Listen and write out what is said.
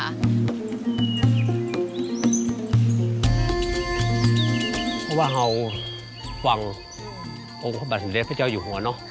เพราะว่าเขาฟังโอคบัตรสมเด็จพระเจ้าอยู่หัวเนอะ